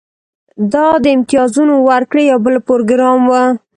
دا د امتیازونو ورکړې یو بل پروګرام و